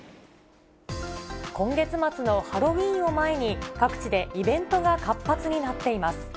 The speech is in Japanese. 今月末のハロウィーンを前に、各地でイベントが活発になっています。